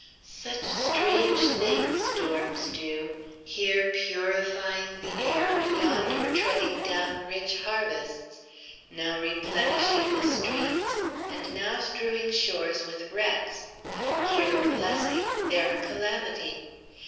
Such strange things storms do, here purifying the air, yonder treading down rich harvests, now replenishing the streams, and now strewing shores with wrecks; here a blessing, there a calamity.